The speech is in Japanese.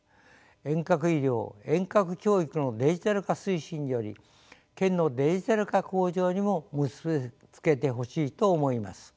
遠隔医療遠隔教育のデジタル化推進により県のデジタル化向上にも結び付けてほしいと思います。